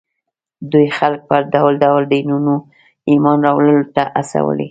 دوی خلک پر ډول ډول دینونو ایمان راوړلو ته هڅولي